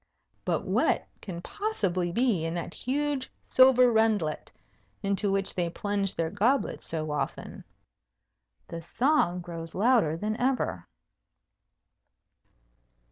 But what can possibly be in that huge silver rundlet into which they plunge their goblets so often? The song grows louder than ever.